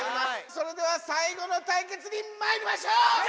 それでは最後の対決にまいりましょう！